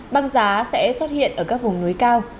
băng giá sẽ xuất hiện ở các vùng núi cao